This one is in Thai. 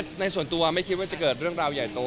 ในส่วนตัวไม่คิดว่าจะเกิดเรื่องราวใหญ่โต